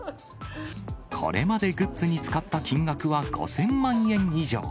これまでグッズに使った金額は５０００万円以上。